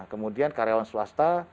kemudian karyawan swasta